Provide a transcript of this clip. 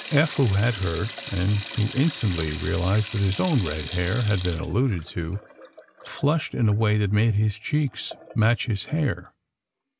Eph, who had heard, and who instantly realized that his own red hair had been alluded to, flushed in a way that made his cheeks match his hair.